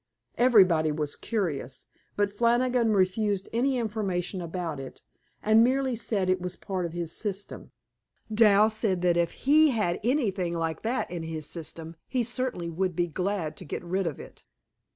Everybody was curious, but Flannigan refused any information about it, and merely said it was part of his system. Dal said that if HE had anything like that in his system he certainly would be glad to get rid of it.